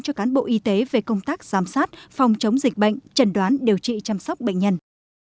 cho cán bộ y tế về công tác giám sát phòng chống dịch bệnh trần đoán điều trị chăm sóc bệnh nhân